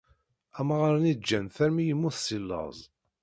Amɣar-nni ǧǧan-t armi yemmut si laẓ.